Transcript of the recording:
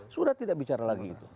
sudah tidak bicara lagi itu